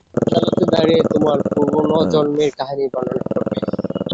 তুমি আদালতে দাঁড়িয়ে তোমার পুনর্জন্মের কাহিনী বর্ণনা করবে?